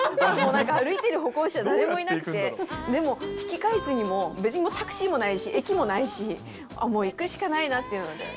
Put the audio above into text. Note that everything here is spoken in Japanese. でもなんか歩いてる歩行者、誰もいなくて、でも引き返すにもタクシーもないし、駅もないし、もう行くしかないなっていう。